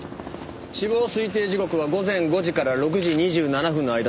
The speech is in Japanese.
死亡推定時刻は午前５時から６時２７分の間だと思われます。